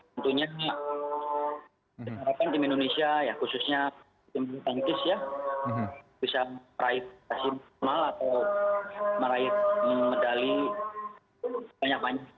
tentunya harapan tim indonesia ya khususnya tim indonesia ya bisa meraih kesehatan atau meraih medali banyak banyaknya